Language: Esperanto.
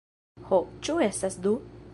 Ho, ĉu estas du?